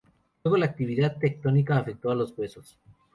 Luego la actividad tectónica afecto a los huesos.